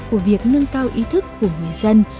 của việc nâng cao ý thức của người dân